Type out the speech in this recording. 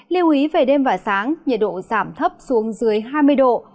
lưu ý về đêm và sáng nhiệt độ giảm thấp xuống dưới hai mươi độ